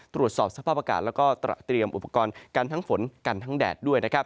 ตรวจสอบสภาพอากาศแล้วก็เตรียมอุปกรณ์กันทั้งฝนกันทั้งแดดด้วยนะครับ